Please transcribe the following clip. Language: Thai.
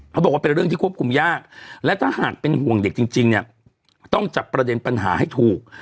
เขาบอกว่าเป็นเรื่องที่ควบคุมยากและถ้าหากเป็นห่วงเด็กจริงเนี่ยต้องจับประเด็นปัญหาให้ถูก